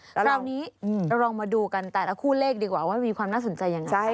คราวนี้เราลองมาดูกันแต่ละคู่เลขดีกว่าว่ามีความน่าสนใจยังไง